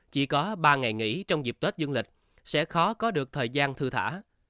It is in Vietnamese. chỉ có ba ngày nghỉ trong dịp tết dương lịch sẽ khó có được thời gian thư thả